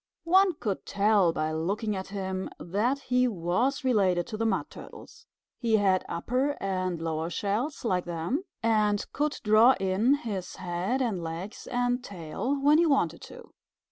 One could tell by looking at him that he was related to the Mud Turtles. He had upper and lower shells like them, and could draw in his head and legs and tail when he wanted to.